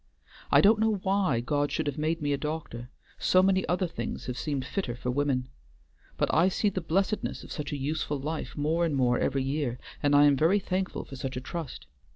I don't know why God should have made me a doctor, so many other things have seemed fitter for women; but I see the blessedness of such a useful life more and more every year, and I am very thankful for such a trust.